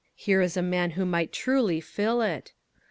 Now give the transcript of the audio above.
Here is a man who might truly fill it."